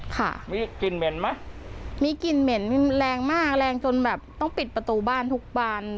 ค่ะมีกลิ่นเหม็นไหมมีกลิ่นเหม็นแรงมากแรงจนแบบต้องปิดประตูบ้านทุกบาน